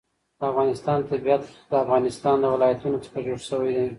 د افغانستان طبیعت له د افغانستان ولايتونه څخه جوړ شوی دی.